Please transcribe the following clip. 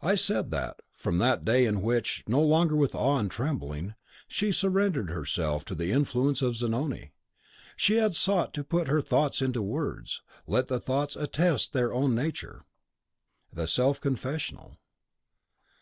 I said that, from that day in which, no longer with awe and trembling, she surrendered herself to the influence of Zanoni, she had sought to put her thoughts into words. Let the thoughts attest their own nature. THE SELF CONFESSIONAL.